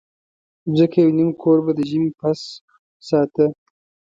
ځکه یو نیم کور به د ژمي پس ساته.